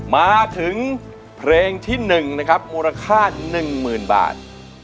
มาถึงเพลงที่หนึ่งมูลค่า๑หมื่นบาท